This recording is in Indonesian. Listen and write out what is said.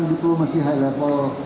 dengan pendekatan diplomasi high level